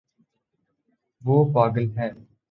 وہ پاگل ہے